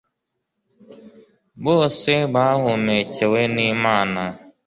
bose bahumekewe n'imana